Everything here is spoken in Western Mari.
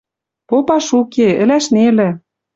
Попаш уке, ӹлӓш нелӹ